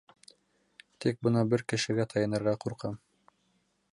Тик бына бер кешегә таянырға ҡурҡам.